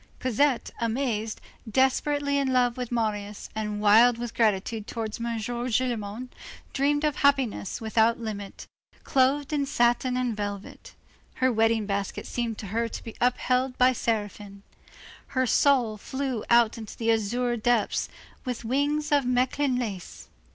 Cosette, amazed, desperately in love with Marius, and wild with gratitude towards M. Gillenormand, dreamed of a happiness without limit clothed in satin and velvet. Her wedding basket seemed to her to be upheld by seraphim. Her soul flew out into the azure depths, with wings of Mechlin lace.